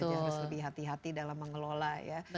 tentu saja harus lebih hati hati dalam mengelola ya